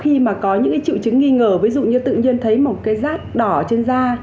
khi mà có những cái triệu chứng nghi ngờ ví dụ như tự nhiên thấy một cái rát đỏ trên da